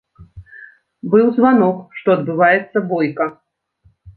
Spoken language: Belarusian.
Быў званок, што адбываецца бойка.